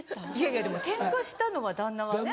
いやでもケンカしたのは旦那はね。